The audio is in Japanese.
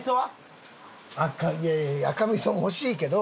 いやいやいやいや赤味噌も欲しいけど。